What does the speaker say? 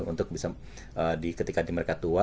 untuk bisa ketika di mereka tua